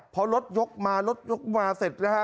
พอรถยกมารถยกมาเสร็จนะฮะ